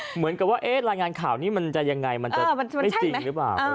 เหมือนกับว่ารายงานข่าวนี้มันจะยังไงมันจะไม่จริงหรือเปล่า